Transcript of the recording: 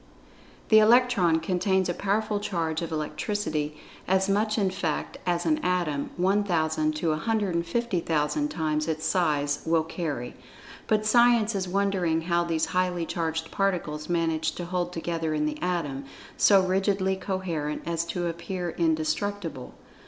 The Electron contains a powerful charge of Electricity, as much in fact as an Atom, 1,000 to 150,000 times its size will carry. But Science is wondering how these highly charged particles manage to hold together in the Atom, so rigidly coherent as to appear indestructible.